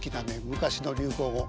昔の流行語。